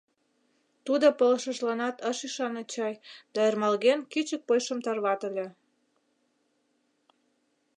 Тудо пылышыжланат ыш ӱшане чай да ӧрмалген кӱчык почшым тарватыле.